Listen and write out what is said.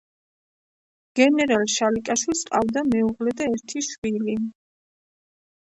გენერალ შალიკაშვილს ჰყავდა მეუღლე და ერთი შვილი.